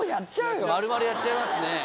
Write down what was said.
丸々やっちゃいますね。